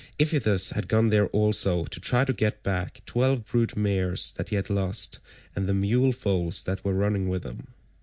Iphitus had gone there also to try and get back twelve brood mares that he had lost, and the mule foals that were running with them.